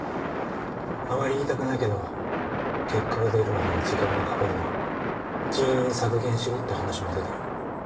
あまり言いたくないけど結果が出るまでに時間がかかるなら人員削減しろって話も出てる。